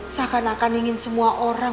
seakan akan ingin semua orang